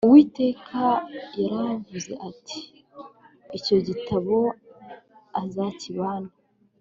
uwiteka yaravuze ati icyo gitabo azakibane